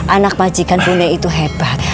anak majikan bunda itu hebat